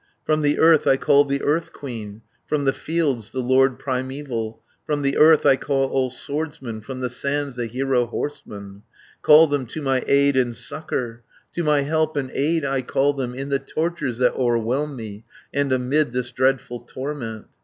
260 "From the earth I call the Earth Queen, From the fields, the Lord primeval, From the earth I call all swordsmen, From the sands the hero horsemen, Call them to my aid and succour, To my help and aid I call them, In the tortures that o'erwhelm me, And amid this dreadful torment.